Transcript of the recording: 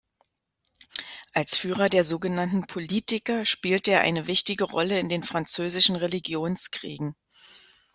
Als Führer der sogenannten „Politiker“ spielte er eine wichtige Rolle in den französischen Religionskriegen.